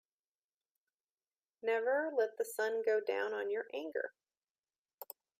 Never let the sun go down on your anger.